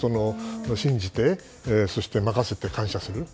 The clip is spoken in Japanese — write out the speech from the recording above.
信じて、そして任せて感謝する。